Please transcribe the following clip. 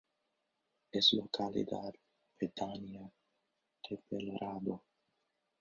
Es localidad pedánea de Belorado.